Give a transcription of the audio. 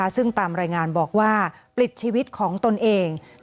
ซึ่งตามรายงานบอกว่าปลิดชีวิตของตนเอง